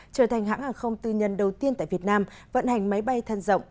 trở thành hãng hàng không tư nhân đầu tiên tại việt nam vận hành máy bay thân rộng